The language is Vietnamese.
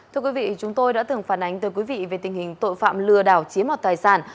thưa quý vị chúng tôi đã từng phản ánh về tình hình tội phạm lừa đảo chiếm mọc tài sản